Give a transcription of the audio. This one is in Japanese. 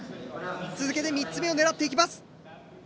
続けて３つ目を狙っていきます。